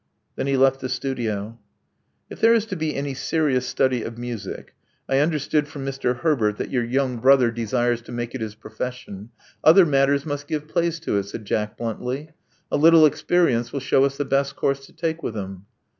Then he left the studio. ^Hk •*If there is to be any serious study oP music — I tmderstood from Mr. Herbert that your young brother 22 Love Among the Artists desires to make it his profession — other matters must give place to it," said Jack bluntly. A little ex perience will shew us the best course to take with him.